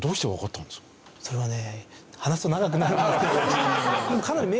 それはね。